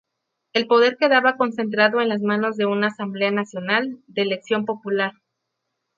El poder quedaba concentrado en las manos de una Asamblea Nacional, de elección popular.